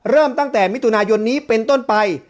เริ่มตั้งแต่มิถุนายนนี้เป็นต้นไป